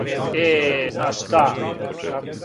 Е, знаш шта?